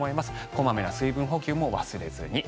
小まめな水分補給も忘れずに。